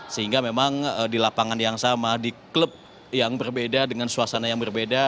sehingga memang di lapangan yang sama di klub yang berbeda dengan suasana yang berbeda